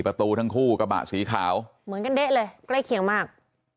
ทั้งคู่กระบะสีขาวเหมือนกันเด๊ะเลยใกล้เคียงมาก